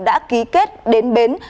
đã ký kết đến bến